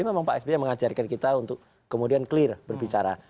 memang pak sby mengajarkan kita untuk kemudian clear berbicara